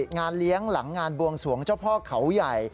งานเลี้ยงหลังงานบวงสวงเจ้าพ่อเขาใหญ่